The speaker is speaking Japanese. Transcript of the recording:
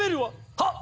はっ！